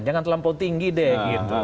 jangan terlampau tinggi deh